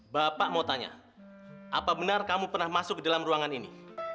bapak mau tanya apa benar kamu pernah masuk ke dalam ruangan ini